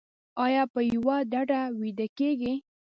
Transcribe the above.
ایا په یوه ډډه ویده کیږئ؟